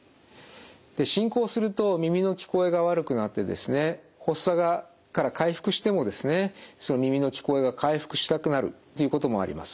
で進行すると耳の聞こえが悪くなってですね発作から回復してもですね耳の聞こえが回復しなくなるっていうこともあります。